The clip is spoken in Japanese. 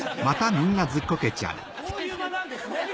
こういう間なんですね